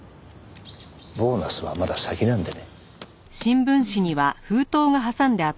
ボーナスはまだ先なんでね。